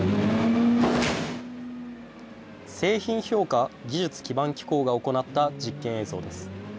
製品評価技術基盤機構が行った実験映像です。